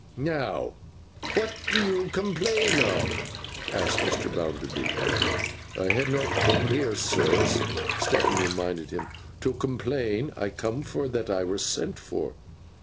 'Now, what do you complain of?' asked Mr. Bounderby. 'I ha' not coom here, sir,' Stephen reminded him, 'to complain. I coom for that I were sent for.